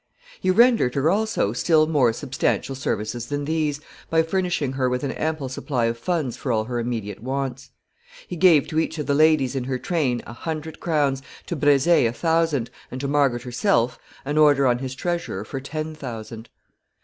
He rendered her, also, still more substantial services than these, by furnishing her with an ample supply of funds for all her immediate wants. He gave to each of the ladies in her train a hundred crowns, to Brezé a thousand, and to Margaret herself an order on his treasurer for ten thousand.